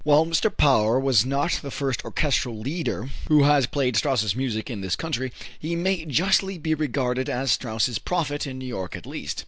While Mr. Paur was not the first orchestral leader who has played Strauss's music in this country, he may justly be regarded as Strauss's prophet in New York at least.